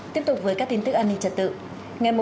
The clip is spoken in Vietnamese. tiếp tục với các tin tức an ninh trật tự